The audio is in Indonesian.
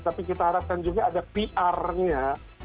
tapi kita harapkan juga ada pr nya